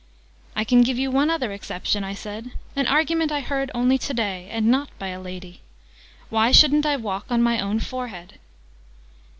"I can give you one other exception," I said: "an argument I heard only to day and not by a lady. 'Why shouldn't I walk on my own forehead?'"